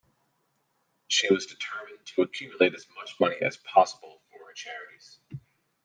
She was determined to accumulate as much money as possible for her charities.